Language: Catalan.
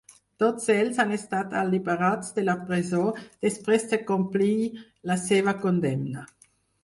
Tots ells han estat alliberats de la presó després de complir la seva condemna.